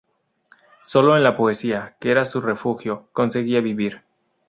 Sólo en la poesía, que era su refugio, conseguía vivir.